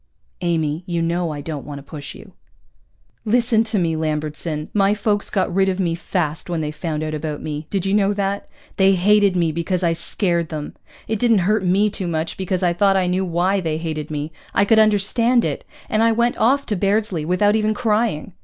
_" "Amy, you know I don't want to push you." "Listen to me, Lambertson. My folks got rid of me fast when they found out about me. Did you know that? They hated me because I scared them! It didn't hurt me too much, because I thought I knew why they hated me, I could understand it, and I went off to Bairdsley without even crying.